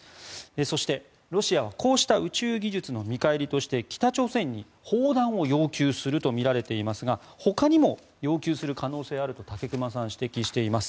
そして、ロシアはこうした宇宙技術の見返りとして北朝鮮に砲弾を要求するとみられていますがほかにも要求する可能性があると武隈さんは指摘しています。